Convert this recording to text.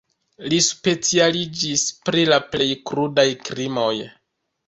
Li specialiĝis pri la plej krudaj krimoj.